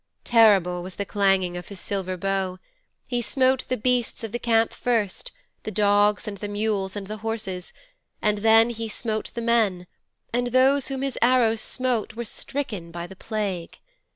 Terrible was the clanging of his silver bow. He smote the beasts of the camp first, the dogs and the mules and the horses, and then he smote the men, and those whom his arrows smote were stricken by the plague.